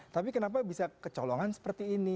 tapi kenapa bisa kecolongan seperti ini